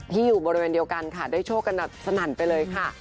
อยู่บริเวณเดียวกันค่ะได้โชคกันสนั่นไปเลยค่ะ